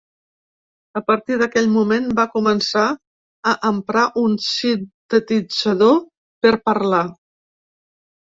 A partir d’aquell moment, va començar a emprar un sintetitzador per parlar.